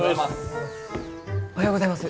おはようございます。